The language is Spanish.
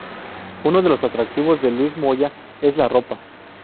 Uno de los atractivos de Luis Moya es la ropa.